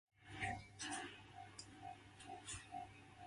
Lunar symbolism dominates his iconography.